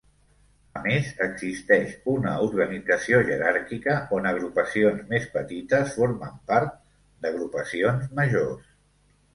A més, existeix una organització jeràrquica on agrupacions més petites formen part d'agrupacions majors.